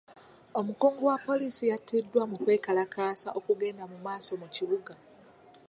Omukungu wa poliisi yatiddwa mu kwekalakaasa okugenda maaso mu kibuga.